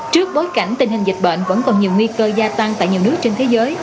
trước bối cảnh tình hình dịch bệnh vẫn còn nhiều nguy cơ gia tăng tại nhiều nước trên thế giới